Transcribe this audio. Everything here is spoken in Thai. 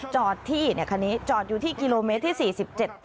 จอดที่เนี่ยคันนี้จอดอยู่ที่กิโลเมตรที่สี่สิบเจ็ด